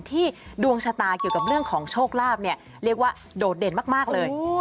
ดวงชะตาเกี่ยวกับเรื่องของโชคลาภเนี่ยเรียกว่าโดดเด่นมากเลย